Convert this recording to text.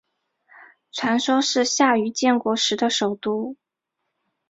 传说是夏禹建国时的首都。